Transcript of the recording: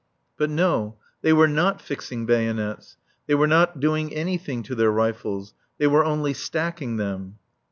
But no, they were not fixing bayonets. They were not doing anything to their rifles; they were only stacking them.